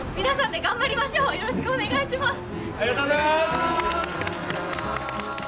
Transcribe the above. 皆さんで頑張りましょう！